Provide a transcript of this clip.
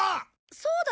そうだ！